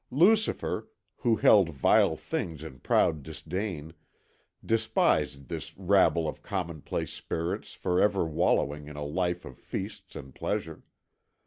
Lucifer, who held vile things in proud disdain, despised this rabble of commonplace spirits for ever wallowing in a life of feasts and pleasure.